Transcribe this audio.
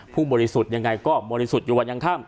บริสุทธิ์ยังไงก็บริสุทธิ์อยู่วันยังค่ำ